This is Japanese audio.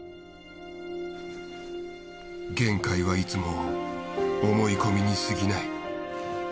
限界はいつも思い込みに過ぎない。